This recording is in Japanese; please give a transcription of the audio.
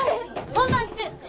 本番中！